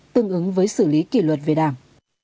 tương ứng với xử lý kỷ luật về đảng